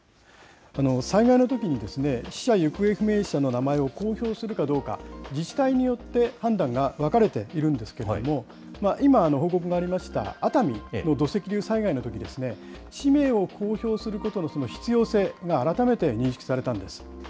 災害のときに、死者・行方不明者の名前を公表するかどうか、自治体によって判断が分かれているんですけれども、今、報告がありました熱海の土石流災害のとき、氏名を公表することの必要性が改めて認識されたんです。